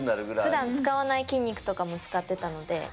ふだん使わない筋肉とかも使ってたので。